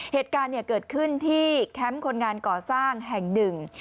เหตุการณ์เกิดขึ้นที่แคมป์คนงานก่อสร้างแห่งหนึ่ง